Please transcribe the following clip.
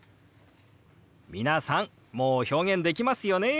皆さんもう表現できますよね。